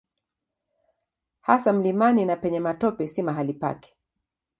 Hasa mlimani na penye matope si mahali pake.